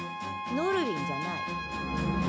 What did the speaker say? ノルウィンじゃない。